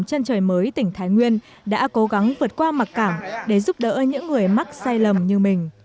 trân trời mới tỉnh thái nguyên đã cố gắng vượt qua mặc cảm để giúp đỡ những người mắc sai lầm như mình